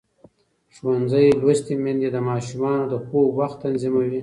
ښوونځې لوستې میندې د ماشومانو د خوب وخت تنظیموي.